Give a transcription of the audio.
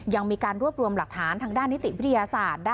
ยังมีการรวบรวมหลักฐานทางด้านนิติวิทยาศาสตร์